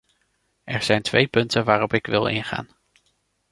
Er zijn twee punten waarop ik wil ingaan.